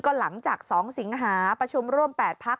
ก็หลังจากสองสิงหาประชุมร่วมแปดพัก